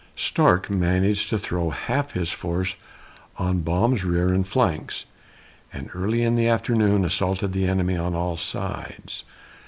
Stark managed to throw half his force on Baum's rear and flanks, and, early in the afternoon, assaulted the enemy on all sides.